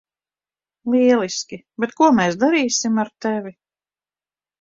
Lieliski, bet ko mēs darīsim ar tevi?